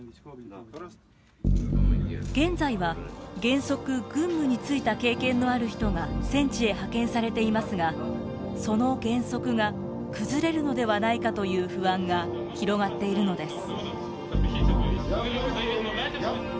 現在は原則軍務に就いた経験のある人が戦地へ派遣されていますがその原則が崩れるのではないかという不安が広がっているのです。